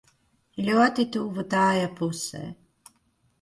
Ļoti tuvu tajā pusē.